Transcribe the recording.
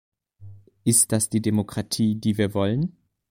Ist das die Demokratie, die wir wollen?